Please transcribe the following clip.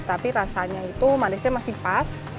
tapi rasanya itu manisnya masih pas